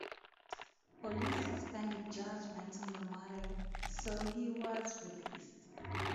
Police suspended judgment on the matter, so he was released.